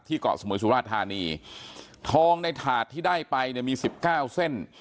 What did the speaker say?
ที่เกาะสมุยสุราชธานีทองในถาดที่ได้ไปมี๑๙เส้น